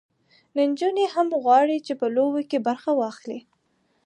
نجونې هم غواړي چې په لوبو کې برخه واخلي.